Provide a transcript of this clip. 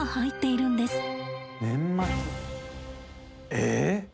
え？